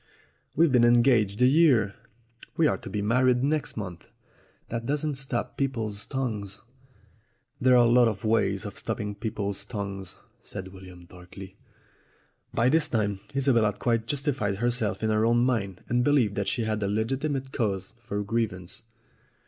"We've been engaged a year. We are to be married next month." "That doesn't stop people's tongues." "There are lots of ways of stopping people's tongues," said William darkly. By this time Isobel had quite justified herself in her own mind and believed that she had a legitimate cause for grievance.